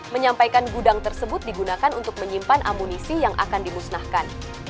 menyampaikan gudang tersebut digunakan untuk menyimpan amunisi yang akan dimusnahkan